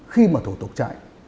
khi mà thủ tục chạy